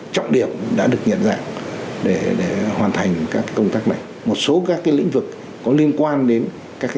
trọng điểm đã được nhận dạng để hoàn thành các công tác này một số các lĩnh vực có liên quan đến các